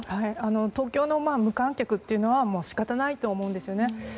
東京の無観客は仕方ないと思うんですね。